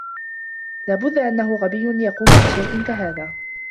لا بد أنه غبي ليقوم بشيء كهذا.